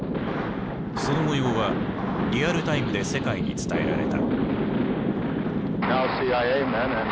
その模様はリアルタイムで世界に伝えられた。